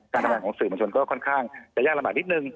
การทำงานของสื่อมัญชนก็จะยากระบาดนิดหนึ่ง